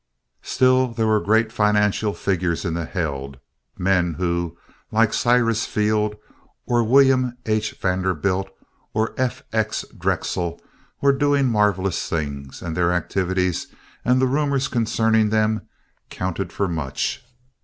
Still there were great financial figures in the held, men who, like Cyrus Field, or William H. Vanderbilt, or F. X. Drexel, were doing marvelous things, and their activities and the rumors concerning them counted for much.